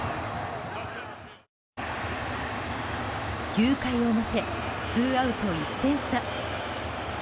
９回表、ツーアウト１点差。